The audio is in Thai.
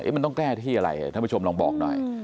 มันต้องแก้ที่อะไรท่านผู้ชมลองบอกหน่อย